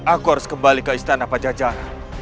aku harus kembali ke istana pajajaran